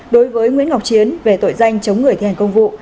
đối với nguyễn ngọc chiến về tội danh chống người thi hành công vụ